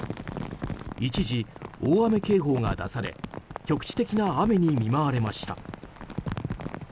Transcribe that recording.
一時、大雨警報が出され局地的な雨に見舞われました。